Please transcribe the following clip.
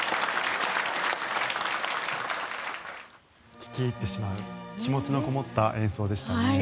聴き入ってしまう気持ちのこもった演奏でしたね。